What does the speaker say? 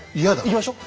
行きましょ？